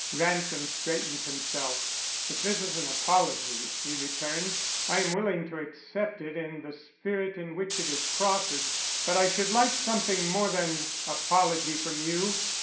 Ransom straightened himself. "If this is an apology," he returned, "I am willing to accept it in the spirit in which it is proffered. But I should like something more than apology from you.